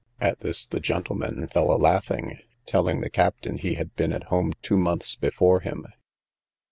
At this the gentlemen fell a laughing, telling the captain he had been at home two months before him.